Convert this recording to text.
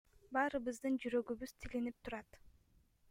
Баарыбыздын жүрөгүбүз тилинип турат.